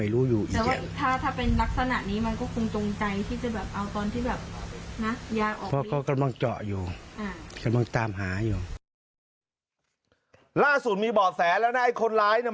ล่าสุดมีเบาะแสแล้วนะไอ้คนร้ายเนี่ย